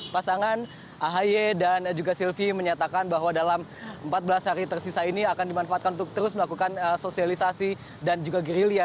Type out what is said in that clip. pasangan ahi dan juga silvi menyatakan bahwa dalam empat belas hari tersisa ini akan dimanfaatkan untuk terus melakukan sosialisasi dan juga gerilya